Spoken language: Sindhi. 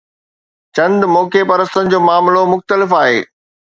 چند موقعي پرستن جو معاملو مختلف آهي.